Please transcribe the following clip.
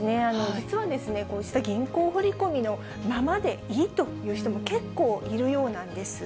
実はですね、こうした銀行振り込みのままでいいという人も結構いるようなんです。